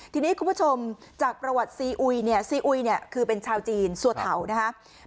ทีนี้คุณผู้ชมจากประวัติซีอุยเนี่ยซีอุยเนี่ยคือเป็นชาวจีนสัวเถานะครับ